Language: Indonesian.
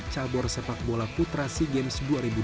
cabur sepak bola putra sea games dua ribu dua puluh